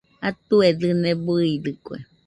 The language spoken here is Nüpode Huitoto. Atue dɨne bɨidɨkue